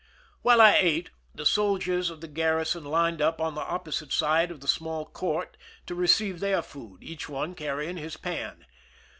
While I ate, the soldiers of the garrison lined up on the opposite side of the small court to receive their food, each one carrying his pan.